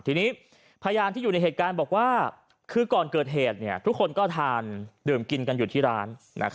ทีนี้พยานที่อยู่ในเหตุการณ์บอกว่าคือก่อนเกิดเหตุทุกคนก็ทานดื่มกินกันอยู่ที่ร้าน